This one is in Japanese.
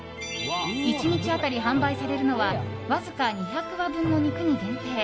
１日当たり販売されるのはわずか２００羽分の肉に限定。